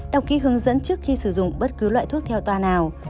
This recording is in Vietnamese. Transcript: đọc kỹ hướng dẫn trước khi sử dụng bất cứ loại thuốc theo toa nào